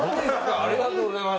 ありがとうございます。